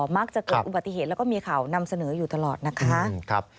มักจะเกิดอุบัติเหตุแล้วก็มีข่าวนำเสนออยู่ตลอดนะคะ